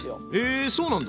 えそうなんだ。